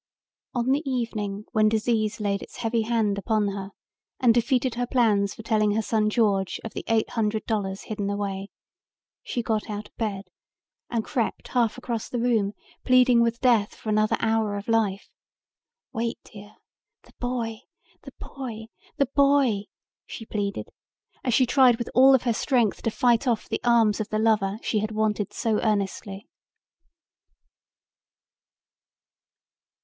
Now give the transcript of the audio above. On the evening when disease laid its heavy hand upon her and defeated her plans for telling her son George of the eight hundred dollars hidden away, she got out of bed and crept half across the room pleading with death for another hour of life. "Wait, dear! The boy! The boy! The boy!" she pleaded as she tried with all of her strength to fight off the arms of the lover she had wanted so earnestly.